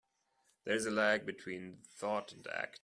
There is a lag between thought and act.